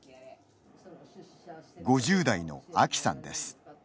５０代のあきさんです。